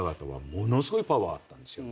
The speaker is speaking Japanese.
ものすごいパワーあったんですよ。